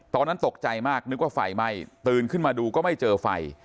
ตอนนั้นตกใจมากนึกว่าไฟไหม้ตื่นขึ้นมาดูก็ไม่เจอไฟ